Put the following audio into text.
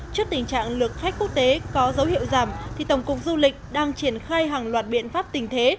trước tình trạng lượt khách quốc tế có dấu hiệu giảm thì tổng cục du lịch đang triển khai hàng loạt biện pháp tình thế